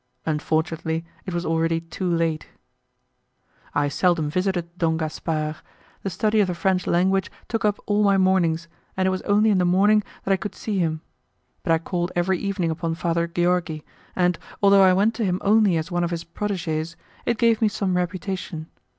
Unfortunately, it was already too late. I seldom visited Don Gaspar; the study of the French language took up all my mornings, and it was only in the morning that I could see him; but I called every evening upon Father Georgi, and, although I went to him only as one of his 'proteges', it gave me some reputation.